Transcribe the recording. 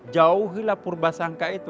jauhilah purbasangka itu